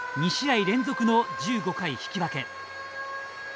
２試合連続の１５回引き分け。